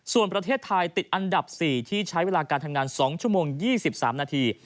ส่วนประเทศไทยติดอันดับ๔ที่ใช้เวลาการทำงาน๒ชั่วโมง๒๓นาที